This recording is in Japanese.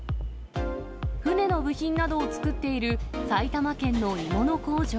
船の部品などを作っている、埼玉県の鋳物工場。